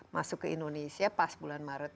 masuk ke indonesia pas bulan maret